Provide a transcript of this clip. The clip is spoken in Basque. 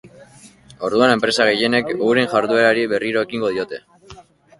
Orduan, enpresa gehienek euren jarduerari berriro ekingo diote.